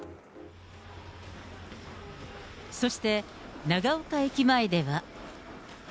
そして、長岡駅前では。